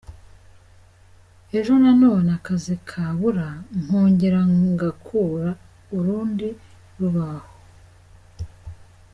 Ejo nanone akazi kabura nkongera ngakura urundi rubaho.